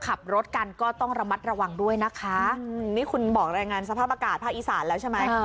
ขับรถกันก็ต้องระมัดระวังด้วยนะคะนี่คุณบอกรายงานสภาพอากาศภาคอีสานแล้วใช่ไหม